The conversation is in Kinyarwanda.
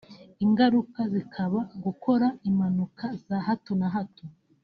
ingaruka zikaba gukora impanuka za hato na hato